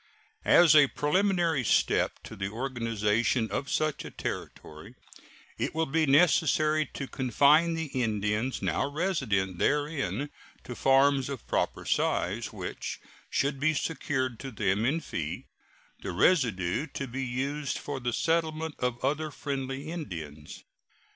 As a preliminary step to the organization of such a Territory, it will be necessary to confine the Indians now resident therein to farms of proper size, which should be secured to them in fee; the residue to be used for the settlement of other friendly Indians.